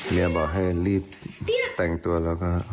เมียบอกให้รีบแต่งตัวแล้วก็รีบไปเดี๋ยวดูนะ